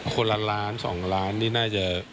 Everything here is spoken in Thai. คนละล้าน๒ล้านนี่น่าจะ